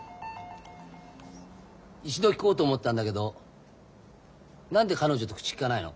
一度聞こうと思ってたんだけど何で彼女と口きかないの？